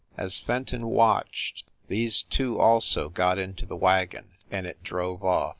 As Fenton watched, these two also got into the wagon and it drove off.